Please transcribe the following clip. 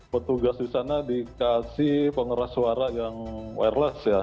petugas di sana dikasih pengeras suara yang wereless ya